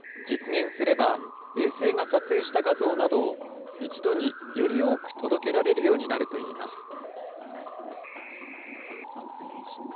実現すれば、衛星が撮影した画像などを一度により多く届けられるようになるといいます。